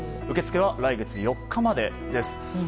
受け付けは来月４日までです。